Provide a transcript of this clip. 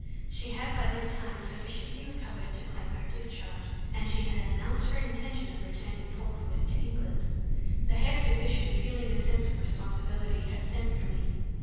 She had by this time sufficiently recovered to claim her discharge, and she had announced her intention of returning forthwith to England. The head physician, feeling a sense of responsibility, had sent for me.